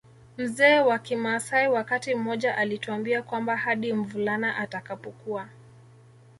Mzee wa kimaasai wakati mmoja alituambia kwamba hadi mvulana atakapokuwa